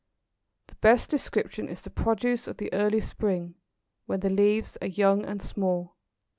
The best description is the produce of the early spring when the leaves are young and small.